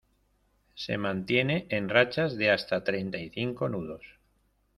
se mantiene en rachas de hasta treinta y cinco nudos.